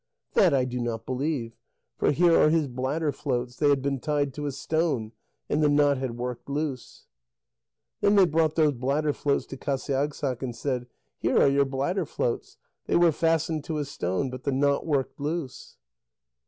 "That I do not believe, for here are his bladder floats; they had been tied to a stone, and the knot had worked loose." Then they brought those bladder floats to Qasiagssaq and said: "Here are your bladder floats; they were fastened to a stone, but the knot worked loose."